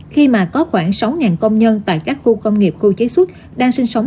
khi mà có khoảng sáu công nhân tại các khu công nghiệp khu chế xuất đang sinh sống